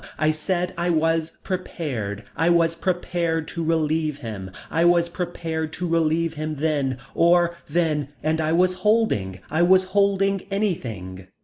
I said I was prepared. I was prepared to relieve him. I was prepared to relieve him then or then and I was holding, I was holding anything.